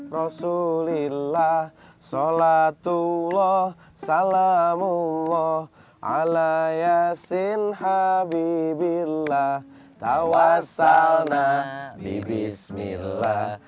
rasulillah sholatullah salamullah ala yasin habibillah tawassal nabi bismillah